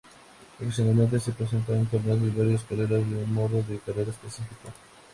Ocasionalmente, se presentarán torneos de varias carreras de un modo de carrera específico.